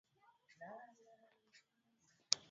Wakuu hao wanajaribu kutatua tofauti zilizopo